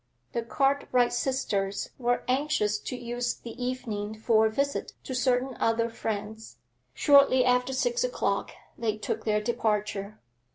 The Cartwright sisters were anxious to use the evening for a visit to certain other friends; shortly after six o'clock they took their departure.